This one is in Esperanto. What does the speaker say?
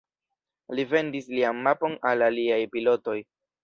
Li vendis lian mapon al aliaj pilotoj.